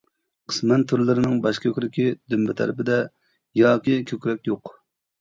قىسمەن تۈرلىرىنىڭ باش كۆكرىكى دۈمبە تەرىپىدە ياكى كۆكرەك يوق.